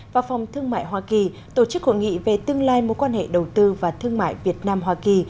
và phòng thương mại hoa kỳ tổ chức hội nghị về tương lai mối quan hệ đầu tư và thương mại việt nam hoa kỳ